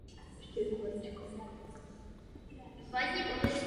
Byl pokřtěn v kapucínské farnosti Neposkvrněného početí na Gun Hill Road.